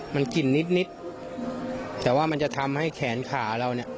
มันกลิ่นนิดนิดแต่ว่ามันจะทำให้แขนขาเราเนี่ย